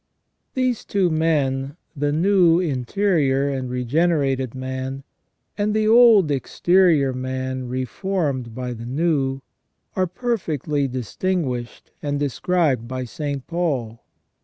" These two men, the new, interior, and regenerated man, and the old exterior man reformed by the new, are perfectly distinguished and described by St. Paul.